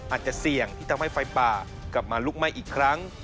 อาจจะเสี่ยงที่ทำให้ไฟป่ากลับมาลุกไหม้อีกครั้ง